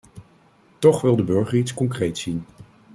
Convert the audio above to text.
Toch wil de burger iets concreets zien.